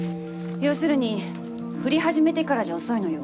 要するに降り始めてからじゃ遅いのよ。